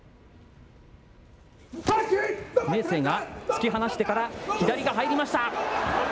明生が突き放してから左が入りました。